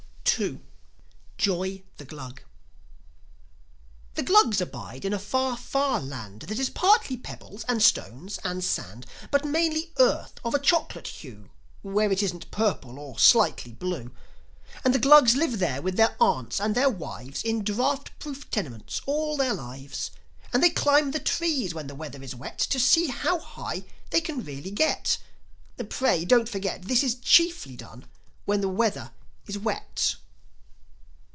JOI, THE GLUG The Glugs abide in a far, far land That is partly pebbles and stones and sand But mainly earth of a chocolate hue, When it isn't purple or slightly blue. And the Glugs live there with their aunts and their wives, In draught proof tenements all their lives. And they climb the trees when the weather is wet, To see how high they can really get. Pray, don't forget, This is chiefly done when the weather is wet.